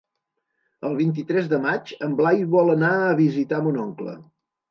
El vint-i-tres de maig en Blai vol anar a visitar mon oncle.